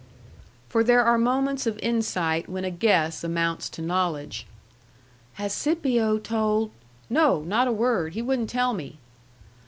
For there are moments of insight when a guess amounts to knowledge. "Has Scipio told " "No. Not a word. He wouldn't tell me."